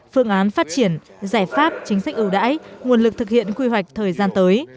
phương án phát triển giải pháp chính sách ưu đãi nguồn lực thực hiện quy hoạch thời gian tới